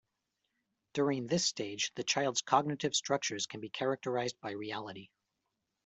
During this stage the child's cognitive structures can be characterized by reality.